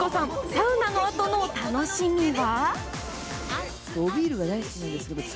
サウナのあとの楽しみは。